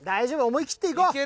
思いきっていこう！